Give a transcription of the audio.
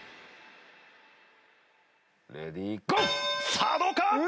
さあどうか？